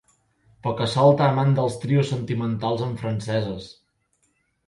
Poca-solta amant dels trios sentimentals amb franceses.